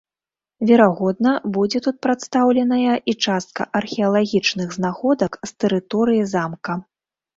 Верагодна, будзе тут прадстаўленая і частка археалагічных знаходак з тэрыторыі замка.